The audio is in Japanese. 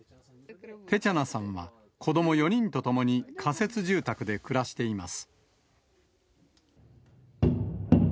テチャナさんは子ども４人と共に仮設住宅で暮らしています。